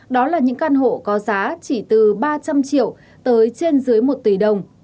đó là những căn hộ có giá chỉ từ ba trăm linh triệu tới trên dưới một tỷ đồng